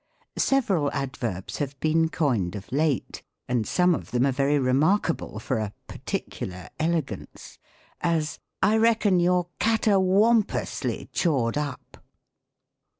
Several adverbs have been coined of late ; and some of them are very remarkable for a "particular" ele gance : as, " I reckon you're catawampously chawed up."